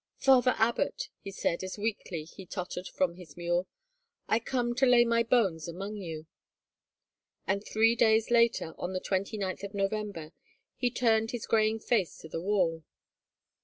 " Father Abbott," he said, as weakly he tottered from his mule, " I come to lay my bones among you." And three days later, on the twenty ninth of Novem ber, he turned his graying face to the wall.